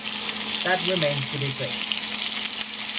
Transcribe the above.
That remains to be seen.